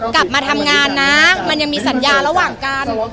กลับมาทำงานนะมันยังมีสัญญาระหว่างกัน